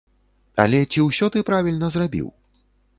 Але ці ўсё ты правільна зрабіў?